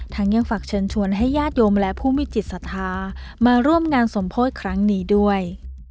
ยังฝากเชิญชวนให้ญาติโยมและผู้มีจิตศรัทธามาร่วมงานสมโพธิครั้งนี้ด้วย